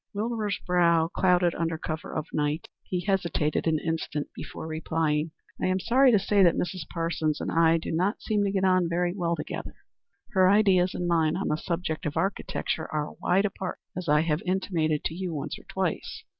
Wilbur's brow clouded under cover of the night. He hesitated an instant before replying, "I am sorry to say that Mrs. Parsons and I do not seem to get on very well together. Her ideas and mine on the subject of architecture are wide apart, as I have intimated to you once or twice.